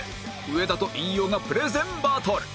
上田と飯尾がプレゼンバトル！